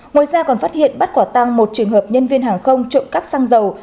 ngoài ra còn phát hiện bắt quả tăng một trường hợp nhân viên hàng không trộm cắp xăng dầu